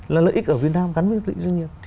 là lợi ích ở việt nam gắn với lợi ích doanh nghiệp